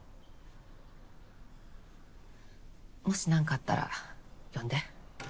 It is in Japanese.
もし何かあったら呼んで。